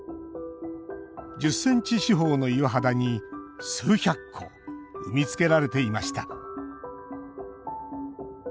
１０ｃｍ四方の岩肌に数百個産み付けられていました。